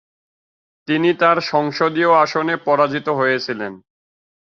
তিনি তার সংসদীয় আসনে পরাজিত হয়েছিলেন।